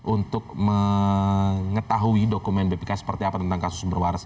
untuk mengetahui dokumen bpk seperti apa tentang kasus sumber waras